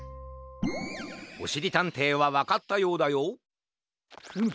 おしりたんていはわかったようだよフム。